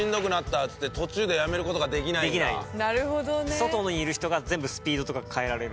外にいる人が全部スピードとか変えられる。